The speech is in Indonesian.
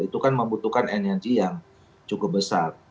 itu kan membutuhkan energi yang cukup besar